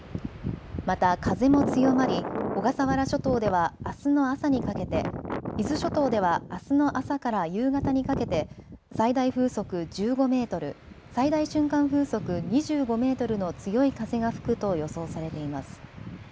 また風も強まり、小笠原諸島ではあすの朝にかけて、伊豆諸島ではあすの朝から夕方にかけて最大風速１５メートル、最大瞬間風速２５メートルの強い風が吹くと予想されています。